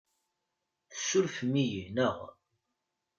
Tessurfem-iyi, naɣ?